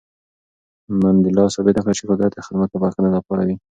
منډېلا ثابته کړه چې قدرت د خدمت او بښنې لپاره وي.